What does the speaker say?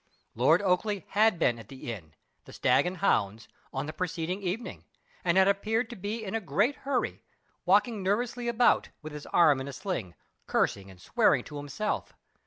Lord Oakleigh had been at the inn the Stag and Hounds on the preceding evening, and had appeared to be in a great hurry, walking nervously about, with his arm in a sling, cursing and swearing to himself.